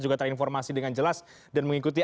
juga terinformasi dengan jelas dan mengikuti